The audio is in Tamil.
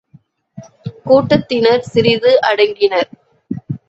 கூட்டத்தினர் சிறிது அடங்கினர்.